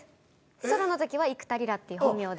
ソロの時は「幾田りら」っていう本名で。